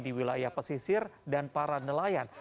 di wilayah pesisir dan para nelayan